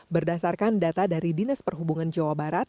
berdasarkan data dari dinas perhubungan jawa barat